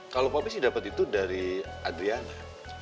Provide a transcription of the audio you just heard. kalau papi sih dapet itu dari adriana